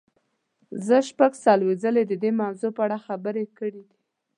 زه شپږ څلوېښت ځلې د دې موضوع په اړه خبرې کړې دي.